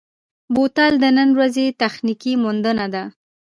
بوتل د نن ورځې تخنیکي موندنه ده.